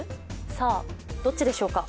さぁ、どっちでしょうか？